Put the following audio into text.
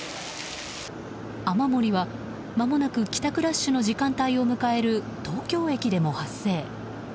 雨漏りは、まもなく帰宅ラッシュの時間帯を迎える東京駅でも発生。